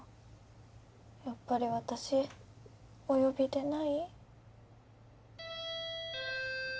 やっぱり私お呼びでない？